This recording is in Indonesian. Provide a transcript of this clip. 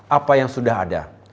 apa yang sudah ada